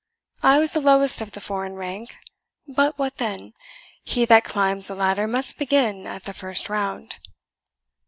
I was the lowest of the four in rank but what then? he that climbs a ladder must begin at the first round."